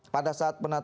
pada saat penaturan